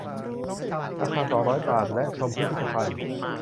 ราคา สองร้อย บาท และชมพิพิธภัณฑ์